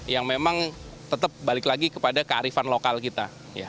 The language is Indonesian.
yang memang tetap balik lagi kepada kearifan lokal kita